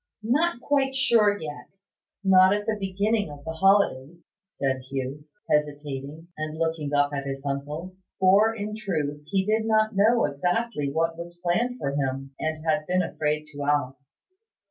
"Not quite yet; not at the beginning of the holidays," said Hugh, hesitating, and looking up at his uncle. For, in truth, he did not know exactly what was planned for him, and had been afraid to ask.